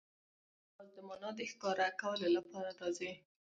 ځیني قیدونه یوازي د مانا د ښکاره کولو له پاره راځي.